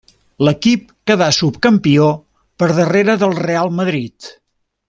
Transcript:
L'equip quedà subcampió per darrere del Reial Madrid.